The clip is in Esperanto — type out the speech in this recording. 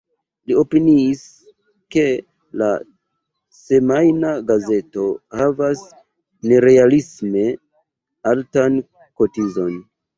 Li opiniis, ke la semajna gazeto havas nerealisme altan kotizon.